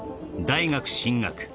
大学進学